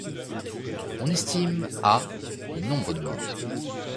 On estime à le nombre de morts.